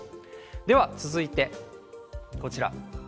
では、続いてこちら。